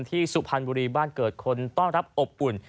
สุพรรณบุรีบ้านเกิดคนต้อนรับอบอุ่น